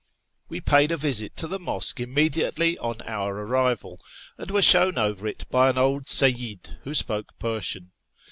We paid a visit to the mosque immediately on our arrival, and were shown over it by an old Seyyid who spoke Persian.